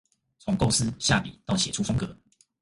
從構思、下筆到寫出風格